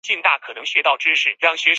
建设开发股份有限公司